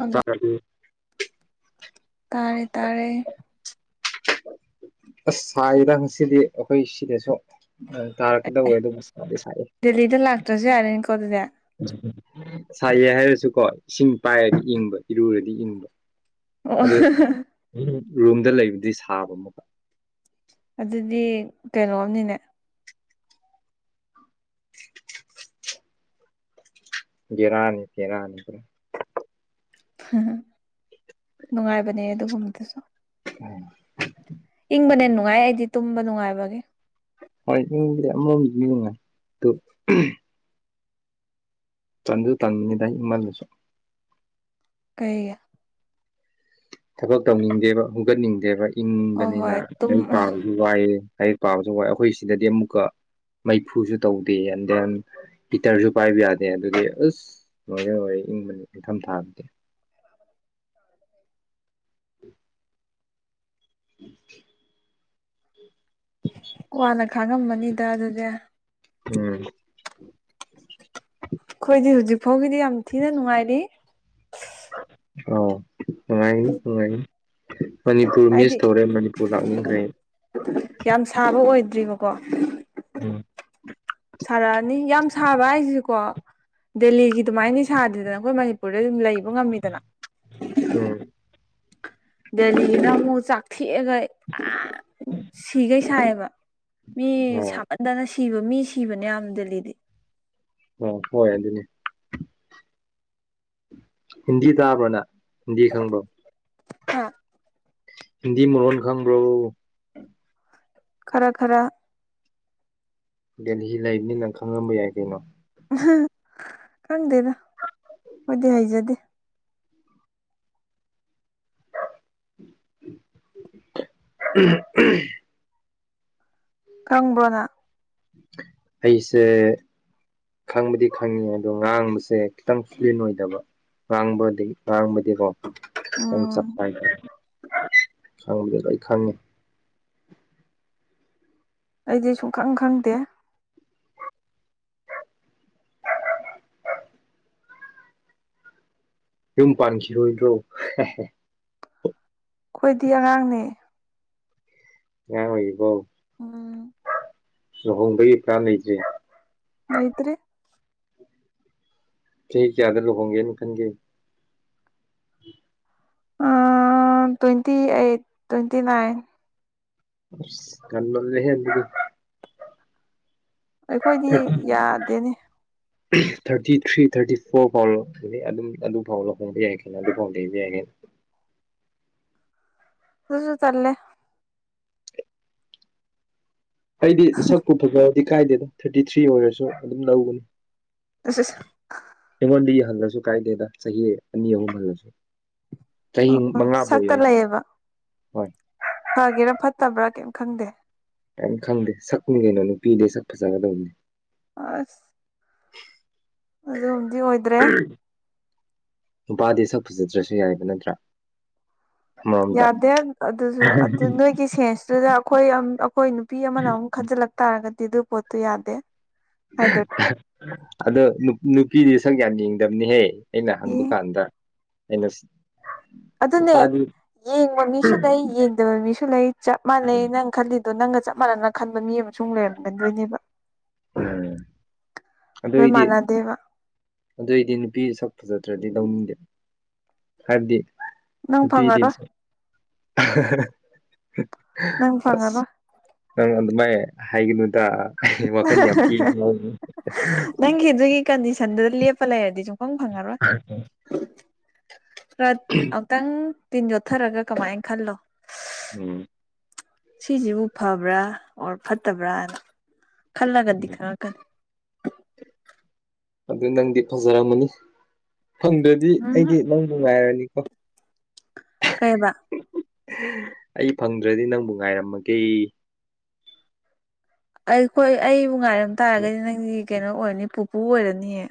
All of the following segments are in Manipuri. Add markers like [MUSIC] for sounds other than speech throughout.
ꯑꯗꯣ ꯆꯥꯔꯗꯤ ꯇꯥꯔꯦ ꯇꯥꯔꯦ ꯑꯁ ꯁꯥꯏꯗ ꯉꯁꯤꯗꯤ ꯑꯩꯈꯣꯏ ꯁꯤꯗꯁꯨ ꯅꯣꯡ ꯇꯥꯔꯛꯀꯗꯧꯔꯦ ꯑꯗꯨꯕꯨ ꯁꯗꯤ ꯁꯥꯏꯌꯦ ꯗꯦꯜꯂꯤꯗ ꯂꯥꯛꯇ꯭ꯔꯖꯨ ꯌꯥꯔꯅꯤꯀꯣ ꯑꯗꯨꯗꯤ ꯁꯥꯏꯌꯦ ꯍꯥꯏꯔꯁꯨꯀꯣ ꯏꯁꯤꯡ ꯄꯥꯏꯔꯗꯤ ꯏꯪꯕ ꯏꯔꯨꯔꯗꯤ ꯏꯪꯕ [UNINTELLIGIBLE] ꯎꯝ ꯎꯔꯨꯝꯗ ꯂꯩꯕꯗꯤ ꯁꯥꯕ ꯑꯃꯛꯀ ꯑꯗꯨꯗꯤ ꯀꯩꯅꯣꯝꯅꯤꯅꯦ [UNINTELLIGIBLE] ꯒꯦꯔꯥꯅꯤ ꯕꯦꯔꯥꯅꯤ ꯅꯨꯡꯉꯥꯏꯕꯅꯦ ꯑꯗꯨꯒꯨꯝꯕꯗꯨꯁꯨ ꯎ ꯏꯪꯕꯅꯦꯟ ꯅꯨꯡꯉꯥꯏ ꯑꯩꯗꯤ ꯇꯨꯝꯕ ꯅꯨꯡꯉꯥꯏꯕꯒꯤ ꯍꯣꯏ ꯌꯨꯝꯗꯤ ꯑꯃꯥꯔꯣꯝꯗꯗꯤ ꯅꯨꯡꯉꯥꯏ ꯇꯟꯖꯨ ꯇꯥꯟꯃꯤꯅꯤꯗ ꯏ ꯃꯥꯜꯂꯁꯨ ꯀꯩꯒꯤ ꯊꯕꯛ ꯇꯧꯅꯤꯡꯗꯦꯕ ꯍꯨꯒꯠꯅꯤꯡꯗꯦꯕ ꯍꯣꯏ ꯏꯪꯕꯅꯤꯅ ꯍꯣꯏ ꯇꯨꯝ ꯄꯥꯝ ꯎꯝ ꯋꯥꯏꯌꯦ ꯂꯥꯏꯔꯤꯛ ꯄꯥꯕꯁꯨ ꯋꯥꯏ ꯑꯩꯈꯣꯏ ꯁꯤꯗꯗꯤ ꯑꯃꯨꯛꯀ ꯃꯩꯐꯨꯁꯨ ꯇꯧꯗꯦ ꯑꯦꯟ ꯗꯦꯟ ꯒꯤꯇꯔꯁꯨ ꯄꯥꯏꯕ ꯌꯥꯗꯦ ꯑꯗꯨꯗꯤ ꯑꯁ ꯑꯣꯏꯔꯦ ꯑꯣꯏꯔꯦ ꯏꯪꯕꯅꯤ ꯏꯪꯊꯝ ꯊꯥꯗꯗꯤ ꯎꯝ ꯀ꯭ꯋꯥꯅ ꯈꯥꯡꯉꯝꯃꯅꯤꯗ ꯑꯗꯨꯗꯤ ꯎꯝ ꯑꯩꯈꯣꯏꯗꯤ ꯍꯧꯖꯤꯛ ꯐꯥꯎꯒꯤꯗꯤ ꯌꯥꯝ ꯊꯤꯅ ꯅꯨꯡꯉꯥꯏꯔꯤ ꯑꯥꯎ ꯅꯨꯡꯉꯥꯏꯔꯤ ꯅꯨꯡꯉꯥꯏꯔꯤ ꯫ ꯃꯅꯤꯄꯨꯔ ꯃꯤꯁ ꯍꯥꯏꯗꯤ ꯇꯧꯔꯦ ꯃꯅꯤꯄꯨꯔ ꯂꯥꯛꯅꯤꯡꯈ꯭ꯔꯦ ꯌꯥꯝ ꯁꯥꯕ ꯑꯣꯏꯗ꯭ꯔꯤꯕꯀꯣ ꯎꯝ ꯁꯥꯔ ꯑꯅꯤ ꯌꯥꯝ ꯁꯥꯕ ꯍꯥꯏꯁꯦ ꯀꯣ ꯗꯦꯜꯂꯤꯒꯤ ꯑꯗꯨꯃꯥꯏꯅꯅꯤ ꯁꯥꯗ꯭ꯔꯤꯗꯅ ꯑꯩꯈꯣꯏ ꯃꯅꯤꯄꯨꯔꯗ ꯑꯗꯨꯝ ꯂꯩꯕ ꯉꯝꯃꯤꯗꯅ ꯎꯝ ꯗꯦꯜꯂꯤꯗꯃꯨꯛ ꯑꯃꯨꯛ ꯆꯥꯛꯊꯦꯛꯑꯒ ꯑꯥ ꯁꯤꯒꯩ ꯁꯥꯏꯌꯦꯕ ꯃꯤ ꯑꯣ ꯁꯥꯃꯟꯗꯅ ꯁꯤꯕ ꯃꯤ ꯁꯤꯕꯅꯦ ꯌꯥꯝ ꯗꯦꯜꯂꯤꯗꯤ ꯑꯣ ꯍꯣꯏ ꯑꯗꯨꯅꯤ ꯍꯤꯟꯗꯤ ꯇꯥꯕ꯭ꯔꯣ ꯅꯪ ꯫ ꯗꯤ ꯈꯪꯕꯔꯣ ꯍꯥ ꯍꯤꯟꯗꯤ ꯃꯔꯣꯟ ꯈꯪꯕ꯭ꯔꯣ ꯈꯔꯥ ꯈꯔꯥ ꯗꯦꯜꯍꯤ ꯂꯩꯕꯅꯤꯅ ꯈꯪꯉꯝꯕ ꯌꯥꯏ ꯀꯩꯅꯣ ꯎ ꯈꯪꯗꯦꯔ ꯍꯣꯏꯗꯤ ꯍꯥꯏꯖꯗꯦ ꯎꯝ ꯎꯝ ꯈꯪꯕ꯭ꯔꯣꯅ [UNINTELLIGIBLE] ꯑꯩꯁꯦ ꯈꯪꯕꯗꯤ ꯈꯪꯉꯦ ꯑꯗꯣ ꯉꯥꯡꯕꯁꯦ ꯈꯤꯇꯪ ꯐ꯭ꯂꯤꯟ ꯑꯣꯏꯗꯕ ꯋꯥꯥꯡꯕꯗꯤ ꯋꯥꯥꯡꯕꯗꯤꯀꯣ ꯎꯝ ꯆꯞꯄ ꯈꯪꯗꯦ ꯑꯩ ꯈꯪꯉꯦ ꯑꯩꯗꯤ ꯁꯨꯡꯈꯪ ꯈꯪꯗꯦ ꯌꯨꯝ ꯄꯥꯟꯈꯤꯔꯣꯏꯗ꯭ꯔꯣ ꯈꯣꯏꯗꯤ ꯑꯉꯥꯡꯅꯦ ꯑꯉꯥꯡ ꯑꯣꯏꯔꯤꯀꯣ ꯎꯝ ꯂꯨꯍꯣꯡꯕꯒꯤ ꯄ꯭ꯔꯥꯟ ꯂꯩꯇꯦ ꯂꯩꯇꯔ꯭ꯦ ꯆꯍꯤ ꯀꯌꯥꯗ ꯂꯨꯍꯣꯡꯒꯦꯅ ꯈꯟꯒꯦ ꯑꯥ ꯇꯣꯏꯟꯇꯤ ꯑꯩꯠ ꯇꯣꯏꯟꯇꯤ ꯅꯥꯏꯟ ꯑꯁ ꯉꯟꯃꯜꯂꯦꯍꯦ ꯑꯗꯨꯗꯤ ꯑꯩꯈꯣꯏꯗꯤ ꯌꯥꯗꯦꯅꯦ ꯊꯥꯔꯇꯤ ꯊ꯭ꯔꯤ ꯊꯥꯔꯇꯤ ꯐꯣꯔ ꯐꯥꯎ ꯑꯗꯨꯝ ꯑꯗꯨꯐꯥꯎ ꯂꯍꯣꯡꯕ ꯌꯥꯏ ꯀꯩꯅ ꯑꯗꯨꯐꯥꯎ ꯂꯩꯕ ꯌꯥꯏ ꯀꯩꯅꯣ ꯗꯨꯖꯨ ꯇꯜꯂꯦ ꯑꯩꯗꯤ ꯁꯛꯄꯨ ꯐꯖꯔꯗꯤ ꯀꯥꯏꯗꯦꯗ ꯊꯥꯔꯇꯤ ꯊ꯭ꯔꯤ ꯑꯣꯏꯔꯁꯨ ꯑꯗꯨꯝ ꯂꯧꯒꯅꯤ ꯑꯁ ꯑꯁ ꯑꯩꯉꯣꯟꯗꯩ ꯍꯜꯂꯁꯨ ꯀꯥꯏꯗꯦꯗ ꯆꯍꯤ ꯑꯅꯤ ꯑꯍꯨꯝ ꯍꯜꯂꯁꯨ ꯆꯍꯤ ꯃꯉꯥꯐꯥꯎ ꯁꯛꯇ ꯌꯥꯏ ꯂꯩꯌꯦꯕ ꯍꯣꯏ ꯐꯒꯦꯔꯥ ꯐꯠꯇꯕ꯭ꯔꯥ ꯀꯩꯝ ꯈꯪꯗꯦ ꯀꯩꯝ ꯈꯪꯗꯦ ꯁꯛꯅꯤ ꯀꯩꯅꯣ ꯅꯨꯄꯤꯗꯤ ꯁꯛ ꯐꯖꯒꯗꯧꯕꯅꯦ ꯑꯁ ꯑꯗꯨꯝꯗꯤ ꯑꯣꯏꯗ꯭ꯔꯦ ꯅꯨꯄꯥꯗꯤ ꯁꯛ ꯐꯖꯗ꯭ꯔꯁꯨ ꯌꯥꯏꯕ ꯅꯠꯇ꯭ꯔꯥ ꯑꯃꯔꯣꯝꯗ ꯌꯥꯗꯦ ꯑꯗꯨꯖꯨ ꯑꯗꯨ ꯅꯣꯏꯒꯤ ꯁꯦꯟꯁꯇꯨꯗ ꯑꯩꯈꯣꯏ ꯑꯝ ꯑꯩꯈꯣꯏ ꯅꯨꯞ ꯅꯨꯄꯤ ꯑꯃꯅ ꯑꯃꯨꯛ ꯈꯟꯖꯤꯜꯂꯛ ꯇꯥꯔꯒꯗꯤ ꯑꯗꯨ ꯄꯣꯠꯇꯨ ꯌꯥꯗꯦ ꯍꯥꯏꯗꯣꯔꯤ ꯑꯗꯣ ꯅꯨꯄꯤꯗꯤ ꯁꯪꯛ ꯌꯥꯝ ꯌꯦꯡꯗꯕꯅꯤꯍꯦ ꯑꯩꯅ ꯍꯪꯕꯀꯥꯟꯗ ꯑꯩꯅ ꯑꯗꯨꯅꯦ ꯅꯨꯄꯥꯗꯤ ꯌꯦꯡꯕ ꯃꯤꯁꯨ ꯂꯩ ꯌꯦꯡꯗꯕ ꯃꯤꯁꯨ ꯂꯩ ꯆꯞ ꯃꯥꯟꯅꯩ ꯅꯪ ꯈꯜꯂꯤ ꯗꯣ ꯅꯪꯒ ꯆꯞ ꯃꯥꯟꯅꯅ ꯈꯟꯕ ꯃꯤ ꯑꯃꯁꯨ ꯑꯃꯨꯛ ꯂꯩꯔꯝꯒꯗꯣꯏꯅꯦꯕ ꯑꯗꯨ ꯂꯣꯏ ꯑꯩꯗꯤ ꯃꯥꯟꯅꯗꯦꯕ ꯑꯗꯨ ꯑꯩꯗꯤ ꯅꯨꯄꯤ ꯁꯛ ꯐꯖꯗ꯭ꯔꯗꯤ ꯂꯧꯅꯤꯡꯗꯦ ꯍꯥꯏꯕꯗꯤ ꯅꯪ ꯅꯨꯄꯤꯗꯤ ꯐꯪꯉꯔꯣꯏ ꯅꯪ ꯑꯁ ꯐꯪꯉꯔꯣꯏ ꯅꯪ ꯑꯗꯨꯃꯥꯏ ꯍꯥꯏꯒꯅꯨꯗꯥ ꯋꯥꯈꯟ ꯌꯥꯝ ꯇꯦꯡ ꯉꯤ ꯍꯥꯏꯖꯤꯅꯤ ꯅꯪꯒꯤ ꯑꯗꯨꯒꯤ ꯀꯟꯗꯤꯁꯟꯗꯨꯗ ꯂꯦꯞꯄ ꯂꯩꯔꯗꯤ ꯁꯨꯡꯐꯪ ꯐꯪꯉꯔꯣꯏ [UNINTELLIGIBLE] ꯑꯝꯇꯪ ꯇꯤꯟ ꯌꯣꯠꯊꯔꯒ ꯀꯃꯥꯏꯅ ꯈꯜꯂꯣ ꯎꯝ ꯁꯤꯁꯤꯕꯨ ꯐꯕ꯭ꯔꯥ ꯑꯣꯔ ꯐꯠꯇꯕ꯭ꯔꯥꯅ ꯈꯜꯂꯒꯗꯤ ꯈꯪꯉꯛꯀꯅꯤ ꯑꯗꯨ ꯅꯪꯗꯤ ꯐꯖꯔꯝꯃꯅꯤ ꯐꯪꯗ꯭ꯔꯗꯤ ꯑꯩꯗꯤ ꯎꯝꯍꯨꯝ ꯅꯪ ꯅꯨꯡꯉꯥꯏꯔꯅꯤꯀꯣ ꯀꯩꯕ ꯑꯩ ꯐꯪꯗ꯭ꯔꯗꯤ ꯅꯪꯕꯨ ꯉꯥꯏꯔꯝꯃꯒꯦ ꯑꯩꯈꯣꯏ ꯑꯩꯕꯨ ꯉꯥꯏꯔꯝ ꯇꯥꯔꯒꯗꯤ ꯅꯪꯗꯤ ꯀꯩꯅꯣ ꯑꯣꯏꯔꯅꯤ ꯄꯨꯄꯨ ꯑꯣꯏꯔꯅꯤꯌꯦ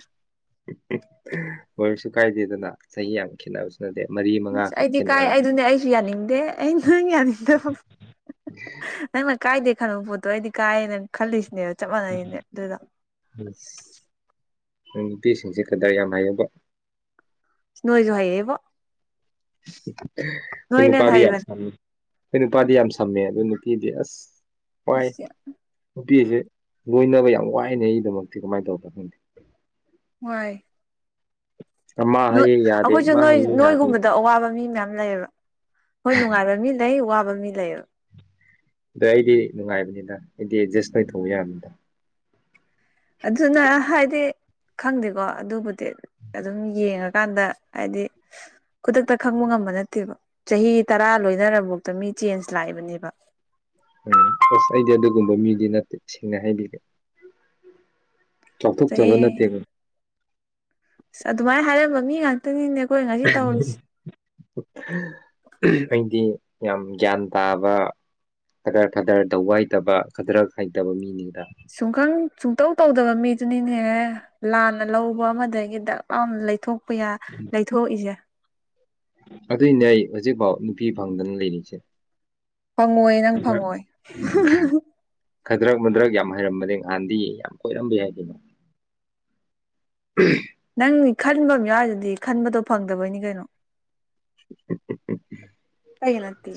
ꯑꯣꯏꯔꯁꯨ ꯀꯥꯏꯗꯦꯗꯅ ꯆꯍꯤ ꯌꯥꯝ ꯈꯦꯠꯅꯕꯁꯨ ꯅꯠꯇꯦ ꯃꯔꯤ ꯑꯁ ꯃꯉꯥꯈꯛ ꯑꯩꯗꯤ ꯀꯥꯏ ꯈꯦꯠꯅꯔ ꯑꯩꯗꯨꯅꯦ ꯑꯩꯁꯨ ꯌꯥꯅꯤꯡꯗꯦ ꯑꯩ ꯅꯪ ꯌꯥꯅꯤꯡꯗꯕ ꯅꯪꯅ ꯀꯥꯏꯗꯦ ꯈꯟꯕꯥ ꯄꯣꯠꯇꯣ ꯑꯩꯗꯤ ꯀꯥꯏꯅ ꯈꯜꯂꯤꯁꯤꯅꯦꯕ ꯆꯞ ꯃꯥꯟꯅꯩꯅꯦ ꯑꯗꯨꯗꯣ ꯑꯁ ꯅꯣꯏ ꯅꯨꯄꯤꯁꯤꯡꯖꯦ ꯀꯗꯔ ꯌꯥꯝ ꯍꯩꯔꯦꯅꯦ ꯅꯣꯣꯏꯁꯨ ꯍꯥꯏꯌꯦꯕ ꯈꯣꯏ ꯅꯣꯏꯅ ꯍꯦꯟꯅ ꯅꯨꯄꯥꯗꯤ ꯌꯥꯝ ꯍꯩꯕꯅꯦ ꯁꯝꯃꯤ ꯈꯣꯏ ꯅꯨꯄꯥꯗꯤ ꯌꯥꯝ ꯁꯝꯃꯦ ꯑꯗꯨ ꯅꯨꯄꯤꯗꯤ ꯑꯁ ꯋꯥꯏ ꯑꯁ ꯌꯥꯝ ꯅꯨꯄꯤꯖꯦ ꯂꯣꯏꯅꯕ ꯌꯥꯝ ꯋꯥꯏꯅꯦ ꯑꯩꯒꯤꯗꯃꯛꯇꯤ ꯀꯃꯥꯏ ꯇꯧꯕ꯭ꯔ ꯈꯪꯗꯦ ꯋꯥꯏ ꯃꯥ ꯅꯣꯠ ꯍꯌꯦꯡ ꯌꯥꯗꯦ ꯑꯈꯣꯏꯖꯨ ꯃꯥ ꯅꯣꯏ ꯍꯌꯦꯡ ꯌꯥꯗꯦ ꯅꯣꯏꯒꯨꯝꯕꯗ ꯑꯋꯥꯕ ꯃꯤ ꯃꯌꯥꯝ ꯂꯩꯌꯦꯕ ꯍꯣꯏ ꯅꯨꯡꯉꯥꯏꯕ ꯃꯤ ꯂꯩ ꯋꯥꯕ ꯃꯤ ꯂꯩꯕ ꯑꯗꯣ ꯑꯩꯗꯤ ꯅꯨꯡꯉꯥꯏꯕꯅꯤꯗ ꯑꯩꯗꯤ ꯑꯦꯗꯖꯁ ꯑꯣꯏꯅꯊꯧꯕ ꯌꯥꯕꯅꯤꯗ ꯑꯗꯨꯅ ꯍꯥꯏꯗꯤ ꯈꯪꯗꯦꯀꯣ ꯑꯗꯨꯕꯨꯗꯤ ꯑꯗꯨꯝ ꯌꯦꯡꯉꯀꯥꯟꯗ ꯍꯥꯏꯗꯤ ꯈꯨꯗꯛꯇ ꯈꯪꯕ ꯉꯝꯕ ꯅꯠꯇꯦꯕ ꯆꯍꯤ ꯇꯔꯥ ꯂꯣꯏꯅꯔꯐꯥꯎꯗ ꯃꯤ ꯆꯦꯟꯖ ꯂꯥꯛꯏꯕꯅꯦꯕ ꯎꯝ ꯑꯁ ꯑꯩꯗꯤ ꯑꯗꯨꯒꯨꯝꯕ ꯃꯤꯗꯤ ꯅꯠꯇꯦ ꯁꯦꯡꯅ ꯍꯥꯏꯕꯤꯒꯦ ꯆꯍꯤ ꯆꯥꯎꯊꯣꯛꯆꯥꯕ ꯅꯠꯇꯦꯕ ꯑꯁ ꯑꯗꯨꯃꯥꯏꯅ ꯍꯥꯏꯔꯝꯕ ꯃꯤ ꯉꯥꯛꯇꯅꯤꯅꯦ ꯑꯩꯈꯣꯏ ꯉꯥꯁꯤ ꯇꯧꯔꯤꯁꯦ ꯑꯩꯗꯤ ꯌꯥꯝ ꯒ꯭ꯌꯥꯟ ꯇꯥꯕ ꯈꯗꯔ ꯈꯗꯔ ꯇꯧꯕ ꯍꯩꯇꯕ ꯈꯗꯔ ꯍꯩꯇꯕ ꯃꯤꯅꯤꯗ ꯁꯨꯡꯈꯪ ꯁꯨꯡꯇꯧ ꯇꯧꯗꯥꯕ ꯃꯤꯗꯨꯅꯤꯅꯦꯍꯦ ꯂꯥꯟꯅ ꯂꯧꯕ ꯑꯃꯗꯒꯤ ꯗꯛ ꯂꯥꯎꯅ ꯂꯩꯊꯣꯛꯄ ꯌꯥꯏ ꯂꯩꯊꯣꯛꯏꯁꯦ ꯑꯗꯨꯏꯅꯦ ꯍꯧꯖꯤꯛꯐꯥꯎ ꯅꯨꯄꯤ ꯐꯪꯗꯅ ꯂꯩꯔꯤꯁꯦ ꯐꯪꯉꯣꯏꯌꯦ ꯅꯪ ꯐꯪꯉꯣꯏ ꯈꯗ꯭ꯔꯛ ꯃꯨꯗ꯭ꯔꯛ ꯌꯥꯝ ꯍꯩꯔꯃꯅꯦ ꯅꯍꯥꯟꯗꯤ ꯌꯥꯝ ꯀꯣꯏꯔꯝꯕ ꯌꯥ ꯍꯥꯏꯗꯅꯣ ꯎꯝ ꯅꯪꯗꯤ ꯈꯟꯕ ꯑꯃ ꯌꯥꯎꯔꯤꯗꯨꯗꯤ ꯈꯟꯕꯗꯣ ꯐꯪꯗꯕꯩꯅꯤ ꯀꯩꯅꯣ ꯑꯩꯩꯅꯠꯇꯦ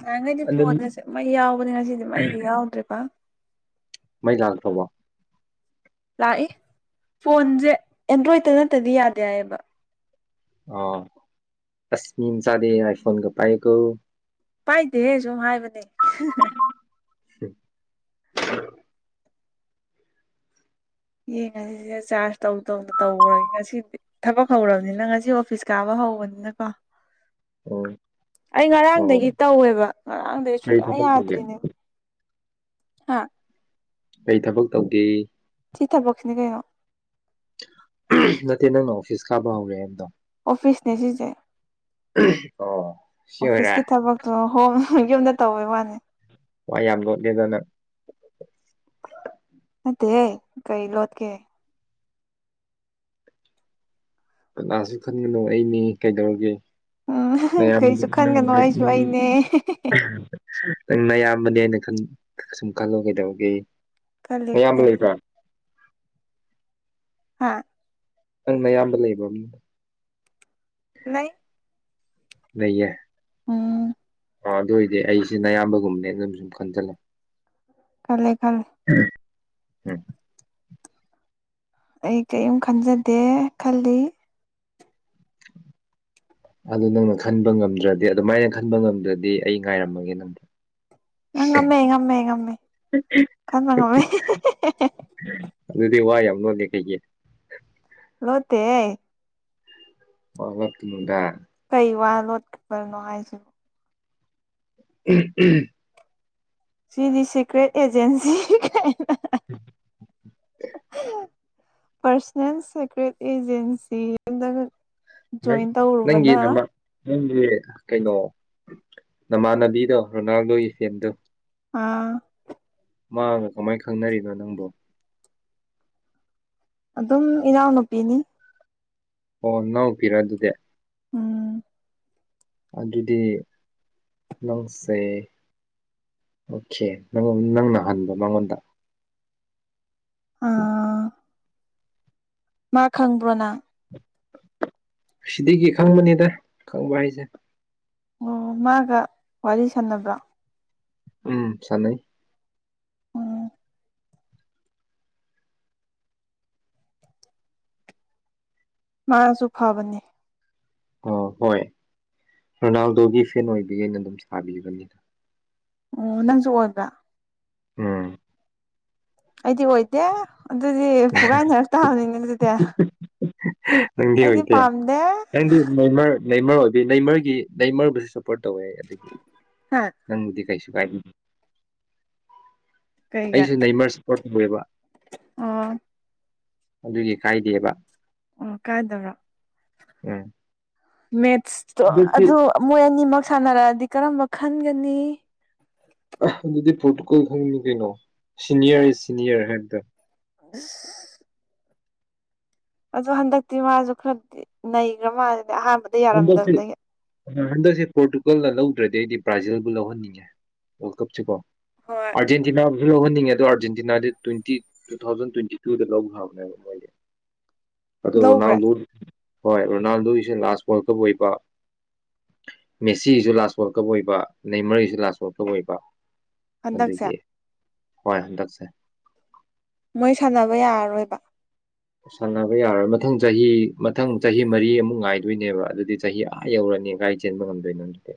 ꯅꯍꯟꯈꯩꯗꯤ ꯑꯗꯨ ꯐꯣꯟꯒꯁꯦ ꯃꯩ ꯌꯥꯎꯕꯅꯦ ꯉꯁꯤꯗꯤ ꯃꯩꯒ ꯌꯥꯎꯗꯔꯦ ꯄꯥꯛꯅ ꯃꯩ ꯂꯥꯛ ꯇꯧꯕ ꯂꯥꯛꯏ ꯐꯣꯟꯁꯦ ꯑꯦꯟꯗ꯭ꯔꯣꯏꯗꯇ ꯅꯠꯇꯗꯤ ꯌꯥꯗꯦ ꯍꯥꯏꯌꯦꯕ ꯑ ꯑꯁꯃꯤ ꯆꯗꯦ ꯑꯥꯏꯐꯣꯟꯣꯟꯒ ꯄꯥꯏ ꯄꯥꯏꯗꯦ ꯁꯨꯝ ꯍꯥꯏꯕꯅꯦ ꯌꯦꯡꯉꯁꯤꯁꯦ ꯆꯥꯔꯖ ꯇꯧ ꯇꯧꯅ ꯇꯧꯔꯒꯦ ꯉꯁꯤꯗꯤ ꯊꯕꯛ ꯍꯧꯔꯕꯅꯤꯅ ꯉꯁꯤ ꯑꯣꯐꯤꯁ ꯀꯥꯕ ꯍꯧꯕꯅꯤꯅ ꯀꯣ ꯑꯣ ꯑꯩ ꯑꯣ ꯉꯔꯥꯡꯗꯒꯤ ꯇꯧꯋꯦꯕ ꯉꯔꯥꯡꯗꯒꯤ ꯀꯔꯤ ꯁꯨꯡꯌꯥ ꯊꯕꯛ ꯇꯧꯒꯦ ꯌꯥꯗ꯭ꯔꯤꯅꯦꯕ ꯍꯥ ꯀꯩ ꯊꯕꯛ ꯇꯧꯒꯦ ꯁꯤ ꯊꯕꯛꯁꯤꯅꯤ ꯀꯩꯅꯣ ꯅꯠꯇꯦ ꯅꯪꯅ ꯑꯣꯐꯤꯁ ꯀꯥꯕ ꯍꯧꯔꯦ ꯍꯥꯏꯕꯗꯣ ꯑꯣꯐꯤꯁꯅꯦ ꯁꯤꯁꯦ ꯑꯣ ꯁꯤ ꯑꯣꯏꯔꯦ ꯑꯣꯐꯤꯁꯀꯤ ꯊꯕꯛ ꯑꯣ ꯍꯣꯝ ꯌꯨꯝꯗ ꯇꯧꯕꯩ ꯋꯥꯅꯤ ꯋꯥ ꯌꯥꯝ ꯂꯣꯠꯂꯦꯗꯅ ꯅꯠꯇꯦꯍꯦ ꯀꯩ ꯂꯣꯠꯀꯦ ꯀꯅꯥꯥꯁꯨ ꯈꯟꯒꯅꯣ ꯑꯩꯅꯦ ꯀꯩꯗꯧꯔꯒꯦ ꯎ ꯎꯝ ꯀꯩꯁꯨ ꯈꯟꯒꯅꯣ ꯑꯩꯁꯨ ꯑꯩꯅꯦ [UNINTELLIGIBLE] ꯅꯪ ꯑꯌꯥꯝꯕꯅꯦ ꯍꯥꯏꯅ ꯁꯨꯝ ꯈꯜꯂꯣ ꯀꯩꯗꯧꯒꯤ ꯈꯂꯦ ꯈꯂꯦ ꯍꯥ ꯅꯪ ꯅꯌꯥꯝꯕ ꯂꯩꯕꯔꯣ ꯂꯩ ꯂꯩꯌꯦ ꯎꯝ ꯑ ꯑꯗꯨ ꯑꯣꯏꯗꯤ ꯑꯩꯁꯦ ꯑꯌꯥꯝꯕꯒꯨꯝꯅꯦꯅ ꯑꯗꯨꯝ ꯈꯟꯖꯜꯂꯣ ꯈꯜꯂꯦ ꯈꯜꯂꯦ ꯎꯝ ꯑꯩ ꯀꯩꯝ ꯈꯟꯖꯗꯦ ꯈꯜꯂꯤ ꯑꯗꯨ ꯅꯪꯅ ꯈꯟꯕ ꯉꯝꯗ꯭ꯔꯗꯤ ꯑꯗꯨꯃꯥꯏꯅ ꯈꯟꯕ ꯉꯝꯗ꯭ꯔꯗꯤ ꯑꯩ ꯉꯥꯏꯔꯝꯃꯒꯦ ꯅꯪ ꯑ ꯉꯝꯃꯦ ꯉꯝꯃꯦ ꯉꯝꯃꯦ ꯈꯟꯕ ꯉꯝꯃꯦ ꯑꯗꯨꯗꯤ ꯋꯥ ꯌꯥꯝ ꯂꯣꯂꯦ ꯀꯩꯒꯤ ꯂꯣꯠꯇꯦꯍꯦ ꯋꯥ ꯉꯥꯡꯉꯛꯀꯅꯨꯗ ꯀꯩ ꯋꯥꯅꯣ ꯂꯣꯠ ꯍꯥꯏꯁꯤꯕꯣ ꯎꯝ ꯎꯝ ꯁꯤꯗꯤ ꯁꯤꯀ꯭ꯔꯦꯠ ꯑꯦꯖꯦꯟꯁꯤ ꯀꯥꯏꯅ [INAUDIBLE] [INAUDIBLE] ꯐ꯭ꯔꯁꯍꯦꯜ ꯁꯦꯀ꯭ꯔꯦꯠ ꯑꯦꯖꯦꯟꯁꯤ ꯖꯣꯏꯟ ꯅꯪꯒꯤ ꯇꯧꯔꯨꯕꯅ ꯅꯃꯥ ꯅꯪꯗꯤ ꯀꯩꯅꯣ ꯅꯃꯥꯅꯗꯤꯗꯣ ꯔꯣꯅꯥꯜꯗꯣ ꯏꯆꯦꯝꯗꯣ ꯑꯥ ꯃꯥꯒ ꯀꯃꯥꯏ ꯈꯪꯅꯔꯤꯅꯣ ꯅꯪꯕꯨ ꯑꯗꯨꯝ ꯏꯅꯥꯎꯅꯨꯄꯤꯅꯤ ꯑꯣ ꯅꯥꯎꯄꯤꯔ ꯑꯗꯨꯗꯤ ꯎꯝ ꯑꯗꯨꯗꯤ ꯅꯪꯁꯦ ꯑꯣꯀꯦ ꯅꯪ ꯅꯪꯅ ꯍꯟꯕ ꯃꯉꯣꯟꯗ ꯑꯥ ꯃꯥ ꯈꯪꯕ꯭ꯔꯣ ꯅꯪ ꯁꯤꯗꯒꯤ ꯈꯪꯕꯅꯤꯗ ꯈꯪꯕ ꯍꯥꯏꯁꯦ ꯑꯣ ꯃꯥꯒ ꯋꯥꯔꯤ ꯁꯥꯟꯅꯕꯔꯣ ꯎꯝ ꯁꯥꯟꯅꯩ ꯎꯝ ꯃꯥꯁꯨ ꯐꯥꯕꯅꯦ ꯑꯣ ꯍꯣꯏ ꯔꯣꯅꯥꯜꯗꯣꯒꯤ ꯐꯦꯟ ꯑꯣꯏꯕꯒꯩꯅ ꯑꯗꯨꯝ ꯁꯥꯕꯤꯕꯅꯤꯗ ꯑꯣ ꯅꯪꯁꯨ ꯑꯣꯏꯕ꯭ꯔꯥ ꯎꯝ ꯑꯩꯗꯤ ꯑꯣꯏꯗꯦ ꯑꯗꯨꯗꯤ ꯐꯨꯒꯥꯏꯅꯔꯛ ꯇꯥꯕꯅꯤꯅꯦ ꯑꯗꯨꯗꯤ ꯅꯪꯗꯤ ꯑꯩꯗꯤ ꯑꯣꯏꯗꯦ ꯄꯥꯝꯗꯦ ꯅꯪꯗꯤ ꯅꯦꯃꯔ ꯅꯦꯃ꯭ꯔ ꯑꯣꯏꯕꯤ ꯅꯦꯃ꯭ꯔꯌꯒꯤ ꯅꯦꯃ꯭ꯔꯌꯕꯨꯁꯨ ꯁꯞꯄꯣꯔꯠ ꯇꯧꯏ ꯑꯗꯨꯗꯒꯤ ꯍꯥ ꯅꯪꯗꯤ ꯀꯩꯁꯨ ꯀꯥꯏꯗꯦ ꯀꯩꯒꯤ ꯑꯩꯁꯨ ꯅꯩꯃ꯭ꯔ ꯁꯄꯣꯔꯠ ꯇꯧꯏꯕ ꯑꯣ ꯑꯗꯨꯒꯤ ꯈꯥꯏꯗꯦꯕ ꯑꯣ ꯀꯥꯏꯗꯕꯔ ꯎꯝ ꯃꯦꯠꯁꯇꯣ ꯑꯗꯨꯗꯤ ꯑꯗꯨ ꯃꯣꯏ ꯑꯅꯤꯃꯛ ꯁꯥꯟꯅꯔꯛꯑꯗꯤ ꯀꯔꯝꯕ ꯈꯟꯒꯅꯤ ꯑꯥ ꯑꯗꯨꯗꯤ ꯄꯣꯔ꯭ꯇꯨꯒꯜꯥ ꯈꯪꯅꯤ ꯀꯩꯅꯣ ꯁꯦꯅꯤꯌꯔ ꯏꯁ ꯁꯦꯅꯤꯌꯔ ꯍꯥꯏꯕꯗꯣ [UNINTELLIGIBLE] ꯑꯗꯣ ꯍꯟꯗꯛꯇꯤ ꯃꯥꯖꯨ ꯈꯔꯗꯤ ꯅꯩꯒ꯭ꯔ ꯃꯥꯜꯂꯗ ꯑꯍꯥꯟꯕ [UNINTELLIGIBLE] ꯍꯟꯗꯛꯁꯦ ꯄꯣꯔ꯭ꯇꯨꯒꯥꯜꯅ ꯂꯧꯗ꯭ꯔꯗꯤ ꯑꯩꯗꯤ ꯕ꯭ꯔꯥꯖꯤꯜꯕꯨ ꯂꯧꯍꯟꯅꯤꯡꯉꯦ ꯋꯥ꯭ꯔꯜ ꯀꯞꯁꯤꯀꯣ ꯍꯣꯏ ꯑꯔꯖꯦꯟꯇꯤꯅꯥꯕꯨꯁꯨ ꯂꯧꯍꯟꯅꯤꯡꯉꯦ ꯑꯗꯣ ꯑꯔꯖꯦꯟꯇꯤꯅꯥꯗꯤ ꯇ꯭ꯋꯦꯟꯇꯤ ꯇꯨ ꯊꯥꯎꯖꯟ ꯇ꯭ꯋꯦꯟꯇꯤ ꯇꯨꯗ ꯂꯧꯈ꯭ꯔꯕꯅꯦꯕ ꯃꯣꯏꯗꯤ [INAUDIBLE] ꯑꯗꯣ ꯂꯧꯈ꯭ꯔꯦ ꯔꯣꯅꯥꯜꯗꯣ ꯍꯣꯏ ꯔꯣꯅꯥꯜꯗꯣꯒꯤꯁꯦ ꯂꯥꯁ ꯋꯥꯔꯜ ꯀꯞ ꯑꯣꯏꯕ ꯃꯦꯁꯤꯒꯤꯁꯨ ꯂꯥꯁ ꯋꯥꯔꯜ ꯀꯞ ꯑꯣꯏꯕ ꯅꯦꯃꯔꯒꯤꯁꯨ ꯂꯥꯁ ꯋꯜꯔ ꯀꯞ ꯑꯣꯏꯕ ꯍꯟꯗꯛꯁꯦ ꯑꯗꯨꯒꯤ ꯍꯣꯏ ꯍꯟꯗꯛꯁꯦ ꯃꯣꯏ ꯁꯥꯟꯅꯕ ꯌꯥꯔꯔꯣꯏꯕ ꯁꯥꯟꯅꯕ ꯌꯥꯔꯣꯏ ꯃꯊꯪ ꯆꯍꯤ ꯃꯊꯪ ꯆꯍꯤ ꯃꯔꯤ ꯑꯃꯨꯛ ꯉꯥꯏꯗꯣꯏꯅꯦꯕ ꯑꯗꯨꯗꯤ ꯆꯍꯤ ꯑꯥ ꯌꯧꯔꯅꯤ ꯀꯥꯏꯗꯩ ꯆꯦꯟꯕ ꯉꯝꯗꯣꯏꯅꯣ ꯑꯗꯨꯗꯤ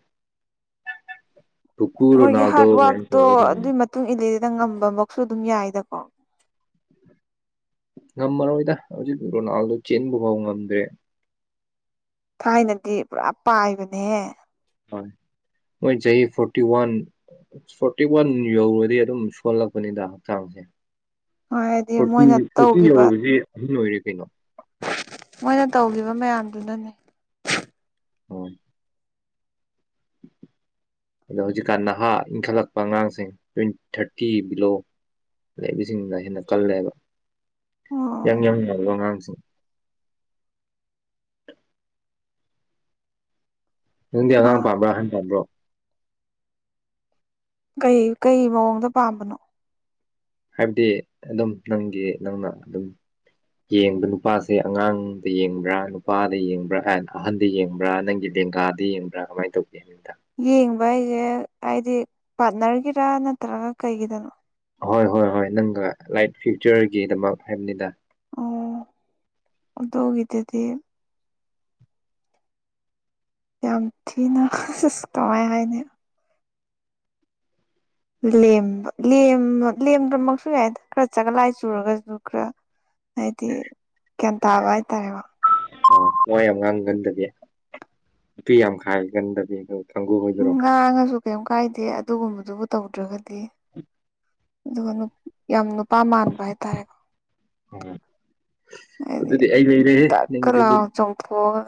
ꯄꯨꯄꯨ ꯃꯣꯏꯒꯤ ꯔꯣꯅꯥꯜꯗꯣ ꯍꯥꯔꯠ ꯋꯥꯔꯛꯇꯣ ꯑꯗꯨꯏ ꯃꯥ ꯇꯨꯡ ꯏꯂꯦꯗꯅ ꯉꯝꯕꯃꯛꯁꯨ ꯑꯗꯨꯝ ꯌꯥꯏꯗꯀꯣ ꯉꯝꯃꯔꯣꯏꯗ ꯍꯧꯖꯤꯛ ꯔꯣꯅꯥꯜꯗꯣ ꯆꯦꯟꯕ ꯐꯥꯎ ꯉꯝꯗ꯭ꯔꯦ ꯊꯥꯏꯅꯗꯤ ꯄꯨꯔꯥ ꯄꯥꯏꯕꯅꯦꯍꯦ ꯍꯣꯏ ꯃꯣꯏ ꯆꯍꯤ ꯐꯣꯔꯇꯤ ꯋꯥꯟ ꯐꯣꯔꯇꯤ ꯋꯥꯟ ꯌꯧꯔꯗꯤ ꯑꯗꯨꯝ ꯁꯣꯜꯂꯛꯄꯅꯤꯗ ꯍꯛꯆꯥꯡꯁꯦ ꯍꯥꯏꯗꯤ ꯐꯣꯔꯇꯤ ꯃꯣꯏꯅ ꯐꯣꯔꯇꯤ ꯇꯧꯈꯤꯕ ꯌꯧꯔꯕꯁꯤ ꯑꯍꯟ ꯑꯣꯏꯔꯦ ꯀꯩꯅꯣ ꯃꯣꯏꯅ ꯇꯧꯒꯤꯕ ꯃꯌꯥꯝꯗꯨꯅꯅꯦ ꯍꯣꯏ ꯑꯗꯣ ꯍꯧꯖꯤꯛꯀꯥꯟ ꯅꯍꯥ ꯏꯟꯈꯠꯂꯛꯄ ꯑꯉꯥꯡꯁꯤꯡ ꯇ꯭ꯋꯦꯟꯤ ꯊꯥꯔꯇꯤ ꯕꯤꯂꯣ ꯂꯩꯕꯤꯁꯤꯡꯗꯨꯅ ꯍꯦꯟꯅ ꯀꯜꯂꯦꯕ ꯑꯣ ꯌꯥꯪ ꯌꯥꯪ ꯂꯧꯕ ꯑꯉꯥꯡꯁꯤꯡ ꯅꯪꯗꯤ ꯃꯥ ꯑꯉꯥꯡ ꯄꯥ꯭ꯝꯕꯔꯥ ꯑꯍꯟ ꯄꯥꯝꯕ꯭ꯔꯣ ꯀꯩ ꯀꯩ ꯃꯑꯣꯡꯗ ꯄꯥꯝꯕꯅꯣ ꯍꯥꯏꯕꯗꯤ ꯑꯗꯨꯝ ꯅꯪꯒꯤ ꯅꯪꯅ ꯑꯗꯨꯝ ꯌꯦꯡꯕ ꯅꯨꯄꯥꯁꯦ ꯑꯉꯥꯡꯗ ꯌꯦꯡꯕ꯭ꯔꯥ ꯅꯨꯄꯥꯗ ꯌꯦꯡꯕ꯭ꯔꯥ ꯑꯦꯟ ꯑꯍꯟꯗ ꯌꯦꯡꯕ꯭ꯔꯥ ꯅꯪꯒꯤ ꯂꯦꯡꯒꯥ ꯗꯥ ꯌꯦꯡꯕ꯭ꯔꯥ ꯀꯃꯥꯏꯟ ꯇꯧ ꯌꯦꯡꯕ ꯍꯥꯏꯖꯦ ꯍꯥꯏꯗꯤ ꯄꯥꯔꯠꯅꯔꯒꯤꯔꯥ ꯅꯠꯇ꯭ꯔꯒ ꯀꯩꯒꯤꯗꯅꯣ ꯑꯍꯣꯏ ꯍꯣꯏ ꯍꯣꯏ ꯅꯪꯒ ꯂꯥꯏꯞ ꯐ꯭ꯌꯨꯆꯔꯒꯤꯗꯃꯛ ꯍꯥꯏꯕꯅꯤꯗ ꯑꯣ ꯑꯗꯨꯒꯤꯗꯗꯤ ꯌꯥꯝ ꯊꯤꯅ ꯑꯁ ꯀꯃꯥꯏ ꯍꯥꯏꯅꯤ ꯂꯦꯝꯕ ꯂꯦꯝꯕ ꯂꯦꯝꯗ꯭ꯔꯃꯛꯁꯨ ꯌꯥꯏ ꯈꯔ ꯆꯒꯠ ꯂꯥꯏ ꯆꯨꯔꯒꯁꯨ ꯈꯔ ꯍꯥꯏꯗꯤ ꯒ꯭ꯌꯥꯟ ꯇꯥꯕ ꯍꯥꯏꯇꯥꯔꯦꯕ ꯋꯥ ꯌꯥꯝ ꯉꯥꯡꯒꯟꯗꯕꯤ ꯅꯨꯄꯤ ꯌꯥꯝ ꯈꯥꯏꯒꯟꯗꯕꯤ ꯑꯗꯨ ꯀꯪꯒꯨ ꯑꯣꯏꯗꯣꯏꯔꯣ ꯉꯥꯡꯉꯁꯨ ꯀꯩꯝ ꯀꯥꯏꯗꯦ ꯑꯗꯨꯒꯨꯝꯕꯗꯨꯕꯨ ꯇꯧꯗ꯭ꯔꯒꯗꯤ [INAUDIBLE] ꯑꯗꯨꯒ ꯌꯥꯝ ꯅꯨꯄꯥ ꯃꯥꯟꯕ ꯍꯥꯏꯇꯥꯔꯦꯀꯣ ꯑꯣ ꯍꯥꯏꯗꯤ ꯑꯗꯨꯗꯤ ꯑꯩ ꯂꯩꯔꯦꯍꯦ ꯗꯛꯀ ꯂꯥꯎ ꯅꯪꯒꯤꯗꯨꯃꯥꯗꯤ ꯆꯣꯡꯊꯣꯛꯑꯒ